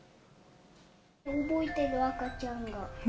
動いてる、赤ちゃんが。